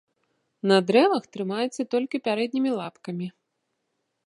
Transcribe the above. На дрэвах трымаецца толькі пярэднімі лапкамі.